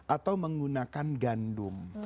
atau menggunakan gandum